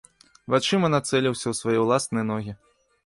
Вачыма нацэліўся ў свае ўласныя ногі.